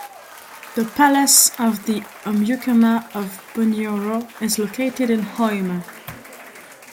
The palace of the Omukama of Bunyoro is located in Hoima.